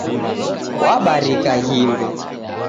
Wabarika ghimbe